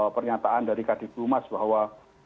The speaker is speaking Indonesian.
pernyataan dari kadir tumas bahwa